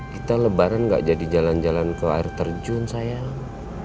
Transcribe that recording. kita lebaran nggak jadi jalan jalan ke air terjun sayang